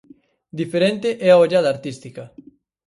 Diferente é a ollada artística.